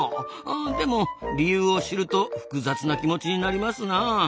でも理由を知ると複雑な気持ちになりますなあ。